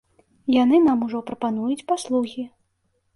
Яны нам ужо прапануюць паслугі.